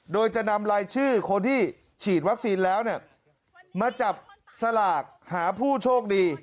โดยจะนำรายชื่อคนที่ฉีดวัคซีนแล้วมาจับสลากหาผู้โชคดี